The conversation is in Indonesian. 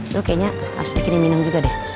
lu kayaknya harus bikin minum juga deh